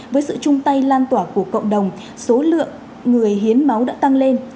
với sự chung tay lan tỏa của cộng đồng số lượng người hiến máu đã tăng lên